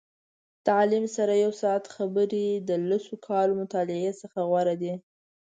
د عالم سره یو ساعت خبرې د لسو کالو مطالعې څخه غوره دي.